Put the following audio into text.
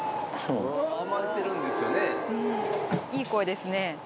うんいい声ですね。